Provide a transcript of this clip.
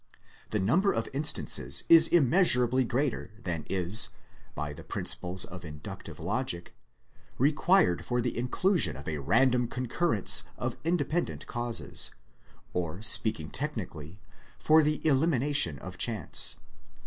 The number of instances is immeasurably greater than is, by the principles of inductive logic, required for the exclusion of a random concurrence of inde pendent causes, or speaking technically, for the elimi nation of chance.